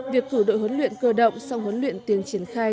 việc cử đội huấn luyện cơ động sau huấn luyện tiền triển khai